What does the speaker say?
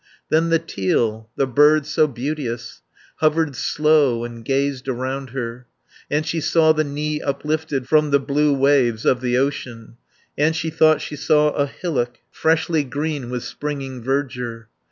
200 Then the teal, the bird so beauteous, Hovered slow, and gazed around her, And she saw the knee uplifted From the blue waves of the ocean, And she thought she saw a hillock, Freshly green with springing verdure.